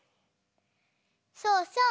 そうそう。